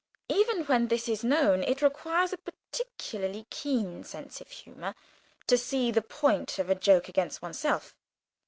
Even when this is known, it requires a peculiarly keen sense of humour to see the point of a joke against oneself.